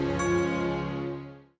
tidak ada masalah